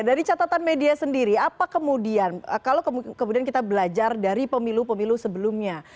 dari catatan media sendiri apa kemudian kalau kemudian kita belajar dari pemilu pemilu sebelumnya